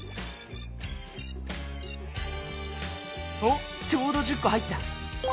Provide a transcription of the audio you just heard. おちょうど１０こ入った！